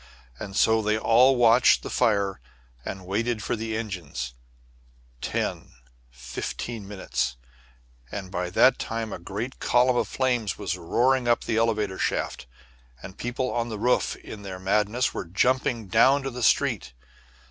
And so they all watched the fire, and waited for the engines, ten, fifteen minutes, and by that time a great column of flame was roaring up the elevator shaft, and people on the roof, in their madness, were jumping down to the street.